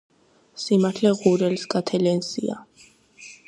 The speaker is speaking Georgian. სიმართლე ღურელს გათელენსია